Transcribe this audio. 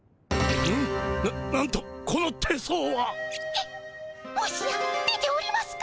えっもしや出ておりますか？